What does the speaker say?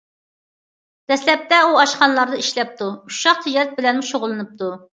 دەسلەپتە ئۇ ئاشخانىلاردا ئىشلەپتۇ، ئۇششاق تىجارەت بىلەنمۇ شۇغۇللىنىپتۇ.